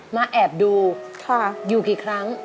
แอบดูอยู่กี่ครั้ง